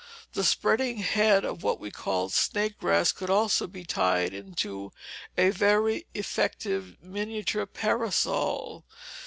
The spreading head of what we called snake grass could also be tied into a very effective miniature parasol.